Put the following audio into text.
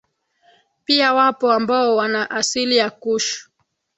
Pia wapo ambao wana asili ya Kush